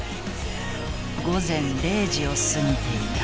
午前０時を過ぎていた。